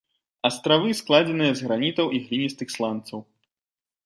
Астравы складзеныя з гранітаў і гліністых сланцаў.